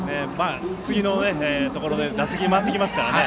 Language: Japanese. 次のところで打席が回ってきますからね。